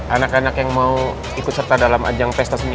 anak anak yang mau ikut serta dalam ajang pesta seni